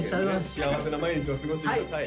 幸せな毎日を過ごして下さい。